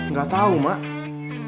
gak tau mak